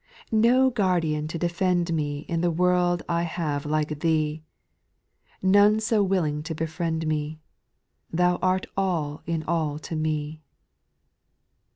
no guardian to defend me IJ In the world I have like Thee, None so willing to befriend me ; Thou art all in all to me.